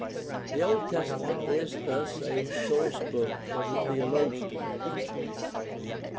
The Old Testament is thus a sourcebook for the theologian.